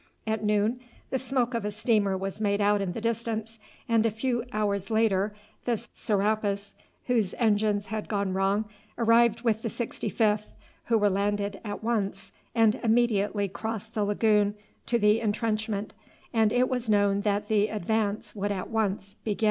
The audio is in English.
At noon the smoke of a steamer was made out in the distance, and a few hours later the Serapis, whose engines had gone wrong, arrived with the 65th, who were landed at once, and immediately crossed the lagoon to the intrenchment, and it was known that the advance would at once begin.